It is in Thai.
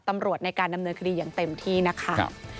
ตำรวจในการดำเนินคดีอย่างเต็มที่นะคะ